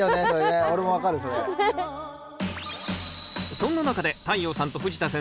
そんな中で太陽さんと藤田先生が選んだ